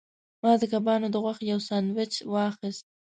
ما د کبانو د غوښې یو سانډویچ واخیست.